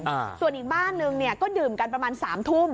อ่าส่วนอีกบ้านนึงเนี่ยก็ดื่มกันประมาณสามทุ่ม